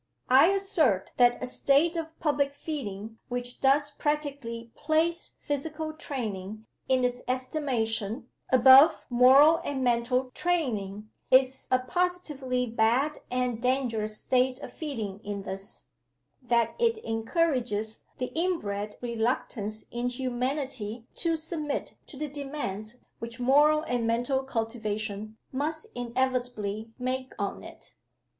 I assert that a state of public feeling which does practically place physical training, in its estimation, above moral and mental training, is a positively bad and dangerous state of feeling in this, that it encourages the inbred reluctance in humanity to submit to the demands which moral and mental cultivation must inevitably make on it.